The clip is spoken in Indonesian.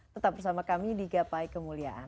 tetap bersama kami di gapai kemuliaan